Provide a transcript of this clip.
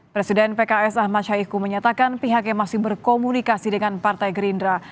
presiden pks ahmad syahiku menyatakan pihaknya masih berkomunikasi dengan partai gerindra